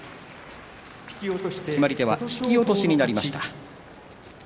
決まり手引き落としになりました。